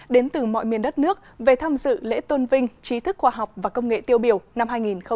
đến từ mọi miền đất nước về tham dự lễ tôn vinh trí thức khoa học và công nghệ tiêu biểu năm hai nghìn một mươi chín